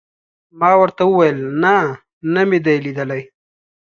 ما ورته وویل: نه، نه مې دي لیدلي.